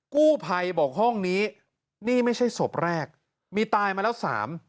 กู้ภัยบอกห้องนี้นี่ไม่ใช่ศพแรกมีตายมาแล้วสาม